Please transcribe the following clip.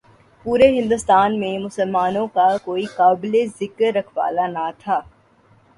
پورے ہندوستان میں مسلمانوں کا کوئی قابل ذکر رکھوالا نہ تھا۔